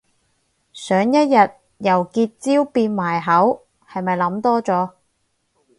想一日由結焦變埋口係咪諗多咗